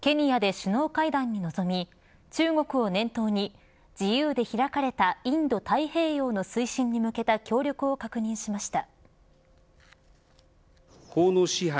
首脳会談に臨み中国を念頭に自由で開かれたインド太平洋の推進に向けた協力を確認しました。